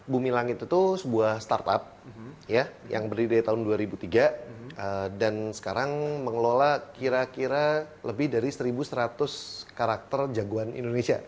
bumi langit itu sebuah startup yang berdiri dari tahun dua ribu tiga dan sekarang mengelola kira kira lebih dari satu seratus karakter jagoan indonesia